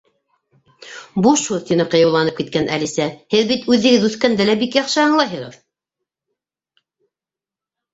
—Буш һүҙ, —тине ҡыйыуланып киткән Әлисә. —һеҙ бит үҙегеҙ үҫкәнде лә бик яҡшы аңлайһығыҙ.